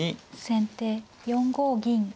先手４五銀。